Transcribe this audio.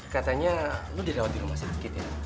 katanya lo udah dawati rumah sakit ya